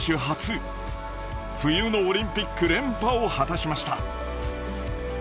初冬のオリンピック連覇を果たしました。